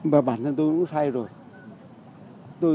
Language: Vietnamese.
và bản thân tôi cũng sai rồi